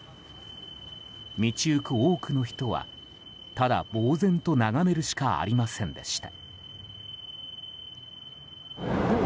道行く多くの人はただ、ぼうぜんと眺めるしかありませんでした。